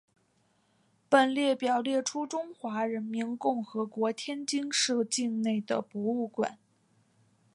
本列表列出中华人民共和国天津市境内的博物馆。